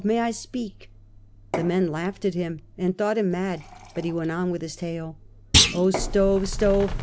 may I speak ?" The men laughed at him and thought him mad, but he went on with his tale. " Oh ! stove, stove